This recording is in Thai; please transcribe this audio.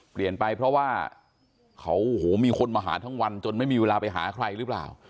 เปลี่ยนไปเพราะว่าเขาโอ้โหมีคนมาหาทั้งวันจนไม่มีเวลาไปหาใครหรือเปล่า